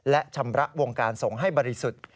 และชำระวงการสงฆ์ให้บริสุทธิ์